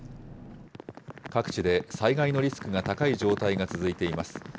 各地で災害のリスクが高い状態が続いています。